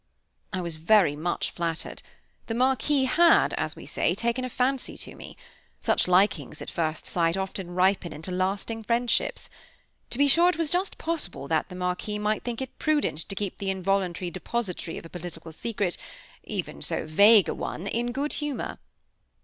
I was very much flattered. The Marquis had, as we say, taken a fancy to me. Such likings at first sight often ripen into lasting friendships. To be sure it was just possible that the Marquis might think it prudent to keep the involuntary depositary of a political secret, even so vague a one, in good humor.